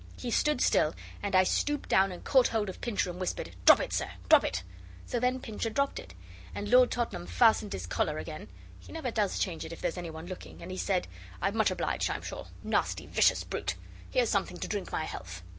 He stood still, and I stooped down and caught hold of Pincher and whispered, 'Drop it, sir; drop it!' So then Pincher dropped it, and Lord Tottenham fastened his collar again he never does change it if there's any one looking and he said 'I'm much obliged, I'm sure. Nasty vicious brute! Here's something to drink my health.